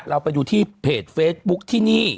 เราไปดูที่เพจเฟซบุ๊คที่นี่